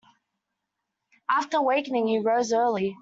After wakening, he rose early.